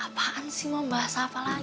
apaan sih mau bahas apa lagi